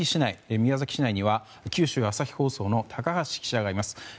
宮崎市内には九州朝日放送の高橋記者がいます。